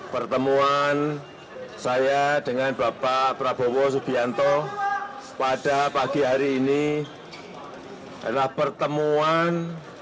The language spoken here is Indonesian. pertemuan saya dengan bapak prabowo subianto pada pagi hari ini adalah pertemuan